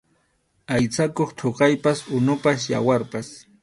Aysakuq thuqaypas, unupas, yawarpas.